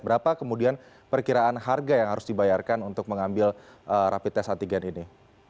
berapa kemudian perkiraan harga yang harus dibayarkan untuk mengambil rapi tes antigen ini